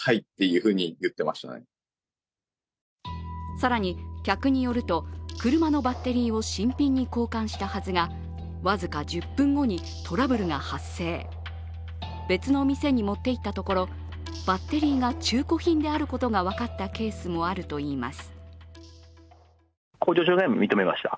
更に客によると車のバッテリーを新品に交換したはずが僅か１０分後にトラブルが発生、別の店に持っていったところバッテリーが中古品であることが分かったケースもあるといいます。